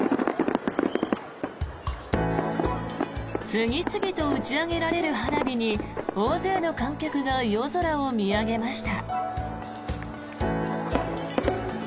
次々と打ち上げられる花火に大勢の観客が夜空を見上げました。